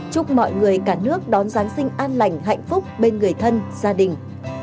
chúc mọi người cả nước đón giáng sinh an lành hạnh phúc bên người thân gia đình